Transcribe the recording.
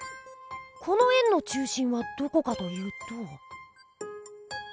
この円の中心はどこかというと。